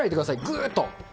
ぐーっと。